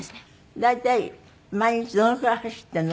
大体毎日どのくらい走っているの？